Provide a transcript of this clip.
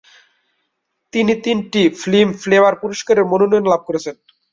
তিনি তিনটি ফিল্মফেয়ার পুরস্কারের মনোনয়ন লাভ করেছেন।